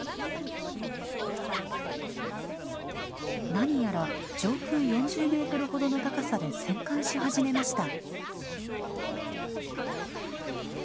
なにやら上空４０メートルほどの高さで旋回し始めました。